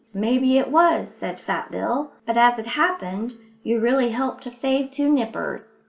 "Maybe it was," said Fat Bill, "but, as it happened, you really helped to save two nippers.